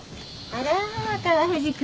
あら川藤君